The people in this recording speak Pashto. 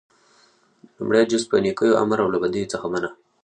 لومړی جز - په نيکيو امر او له بديو څخه منع: